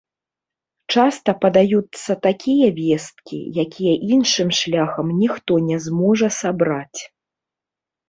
Часта падаюцца такія весткі, якія іншым шляхам ніхто не зможа сабраць.